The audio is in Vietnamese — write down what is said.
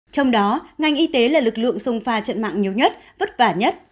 trong đó ngành y tế là lực lượng sông pha trận mạng nhiều nhất vất vả nhất